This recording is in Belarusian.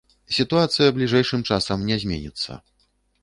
Сітуацыя бліжэйшым часам не зменіцца.